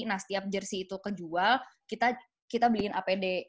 nah setiap jersi itu kejual kita beliin apd